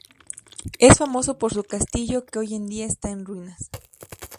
Es famoso por su castillo, que hoy en día está en ruinas.